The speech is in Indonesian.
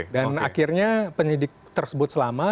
dan akhirnya penyidik tersebut selama